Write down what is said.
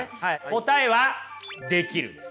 答えはできるんです。